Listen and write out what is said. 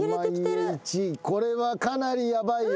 これはかなりヤバいよ。